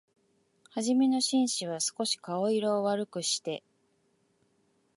はじめの紳士は、すこし顔色を悪くして、